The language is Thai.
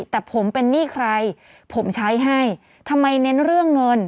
แต่ผมเป็นหนี้ใครผมใช้ให้ทำไมเน้นเรื่องเงิน